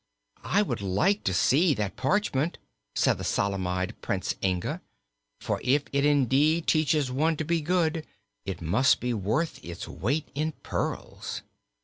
"I would like to see that parchment," said the solemn eyed Prince Inga, "for if it indeed teaches one to be good it must be worth its weight in pearls."